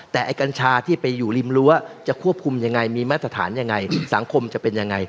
แต่ไอ้กัญชาที่ไปอยู่ริมรั้วจะควบคุมยังไงมีมาตรฐานยังไงสังคมจะเป็นยังไง